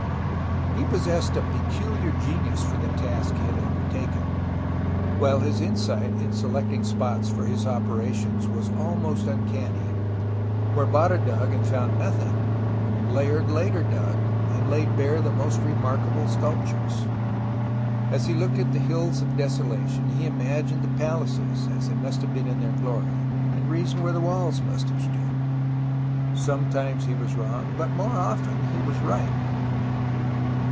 He possessed a peculiar genius for the task he had "^undertaken, while his insight in selecting spots THE ROMANCE OF EXCAVATION 131 for his operations was almost uncanny. Where Botta dug and found nothing, Layard dug later and laid bare the most remarkable sculptures. As he looked at the hills of desolation, he imagined the palaces as they must have been in their glory, and reasoned where the walls must have stood. Sometimes he was wrong, but more often he was right.